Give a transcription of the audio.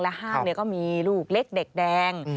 ห้างก็มีลูกเล็กเด็กแดง